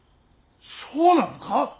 そうなのか。